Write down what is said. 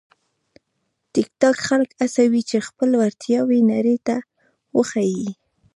ټیکټاک خلک هڅوي چې خپلې وړتیاوې نړۍ ته وښيي.